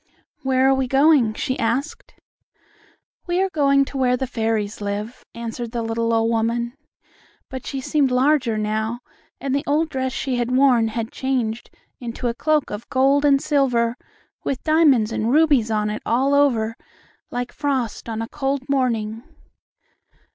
"Where are we going?" she asked. "We are going to where the fairies live," answered the little old woman, but she seemed larger now, and the old dress she had worn had changed into a cloak of gold and silver with diamonds and rubies on it all over, like frost on a cold morning.